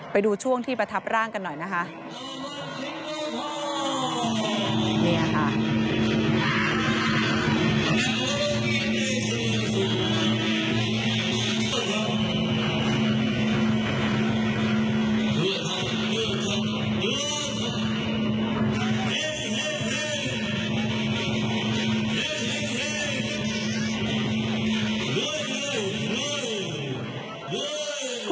ไปดูช่วงที่ประทับร่างกันหน่อยนะคะ